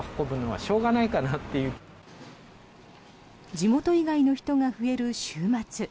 地元以外の人が増える週末。